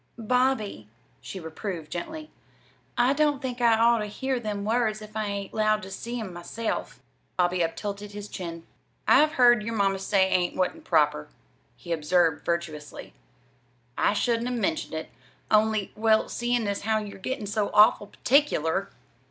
"Bobby," she reproved gently, "I don't think I'd oughter hear them words if I ain't 'lowed to use 'em myself." Bobby uptilted his chin. "I've heard your ma say 'ain't' wa'n't proper," he observed virtuously. "I shouldn't have mentioned it, only well, seein' as how you're gettin' so awful particular